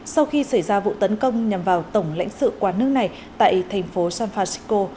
sau khi xảy ra vụ tấn công nhằm vào tổng lãnh sự quán nước này tại thành phố san francisco